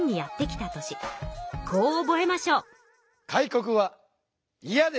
こう覚えましょう。